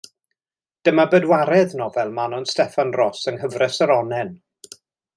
Dyma bedwaredd nofel Manon Steffan Ros yng nghyfres yr Onnen.